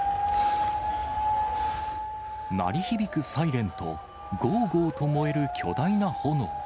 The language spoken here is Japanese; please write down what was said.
鳴り響くサイレンと、ごうごうと燃える巨大な炎。